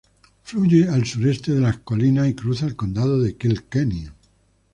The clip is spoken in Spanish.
Fluye al sureste de las colinas y cruza el condado de Kilkenny.